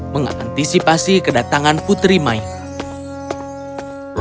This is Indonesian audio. mengantisipasi kedatangan putri mair